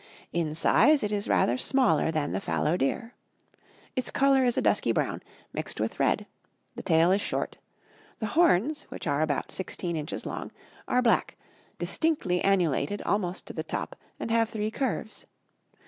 In size, it is rather smaller than the fallow deer. Its color is a dusky brown, mixed with red; the tail is short; the horns, which are about sixteen inches long, are black, distinctly annulated almost to the top, and have three curves.